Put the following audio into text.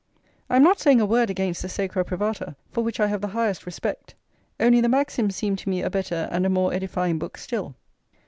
I am not saying a word against the Sacra Privata, for which I have the highest respect; only the Maxims seem to me a better and a more edifying book still.